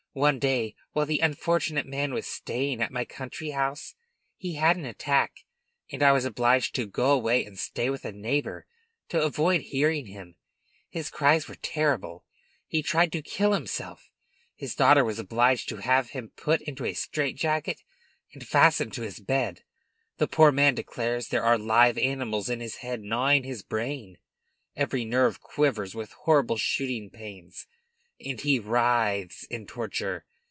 One day, while the unfortunate man was staying at my country house, he had an attack, and I was obliged to go away and stay with a neighbor to avoid hearing him; his cries were terrible; he tried to kill himself; his daughter was obliged to have him put into a strait jacket and fastened to his bed. The poor man declares there are live animals in his head gnawing his brain; every nerve quivers with horrible shooting pains, and he writhes in torture.